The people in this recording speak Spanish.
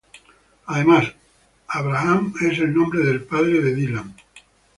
Además, Abraham es el nombre del padre de Dylan.